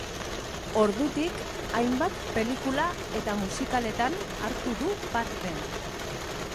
Ordutik hainbat pelikula eta musikaletan hartu du parte.